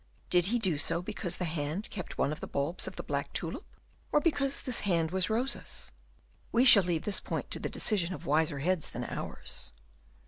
Did he do so because the hand kept one of the bulbs of the great black tulip, or because this hand was Rosa's? We shall leave this point to the decision of wiser heads than ours.